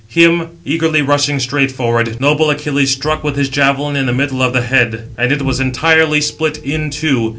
664 Him, eagerly rushing straight forward, noble Achilles struck with his javelin in the middle of the head; and it was entirely split in two.